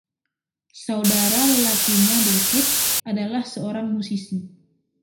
Saudara lelakinya, David, adalah seorang musisi.